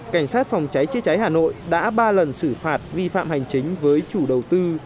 cảnh sát phòng cháy chữa cháy hà nội đã ba lần xử phạt vi phạm hành chính với chủ đầu tư